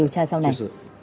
điều tra sau này